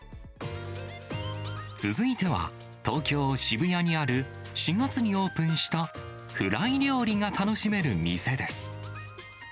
続いては、東京・渋谷にある、４月にオープンしたフライ料理が楽しめる店です。